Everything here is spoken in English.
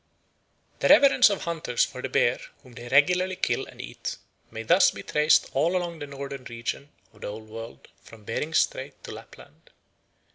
The reverence of hunters for the bear whom they regularly kill and eat may thus be traced all along the northern region of the Old World from Bering's Straits to Lappland.